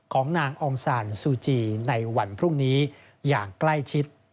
ของนางองซานซูจีในวันพรุ่งนี้อย่างใกล้ชิด